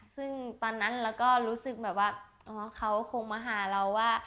ซึ่งตอนนั้นเราก็รู้สึกแบบว่าอ๋อเขาคงมาหาเราว่า